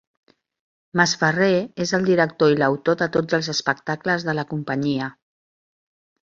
Masferrer és el director i l'autor de tots els espectacles de la companyia.